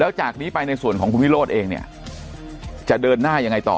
แล้วจากนี้ไปในส่วนของคุณวิโรธเองเนี่ยจะเดินหน้ายังไงต่อ